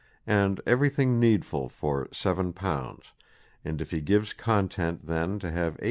"and everything needfull for £7. and if he gives content then to have £8.